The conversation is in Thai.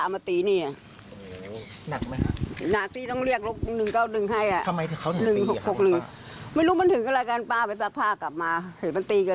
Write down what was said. มันมาบ้านเราแล้วมันตามมาตีนี่